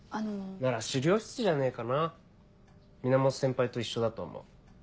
なら資料室じゃねえかな源先輩と一緒だと思う。